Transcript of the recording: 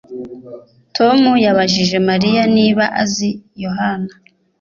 Tom yabajije Mariya niba azi Yohana